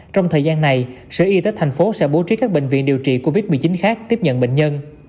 trong thời gian này sở y tế thành phố sẽ bố trí các bệnh viện điều trị covid một mươi chín khác tiếp nhận bệnh nhân